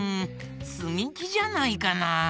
つみきじゃないかな？